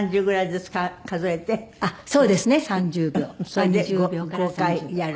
それで５回やる。